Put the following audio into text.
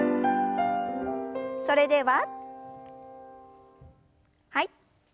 それでははい。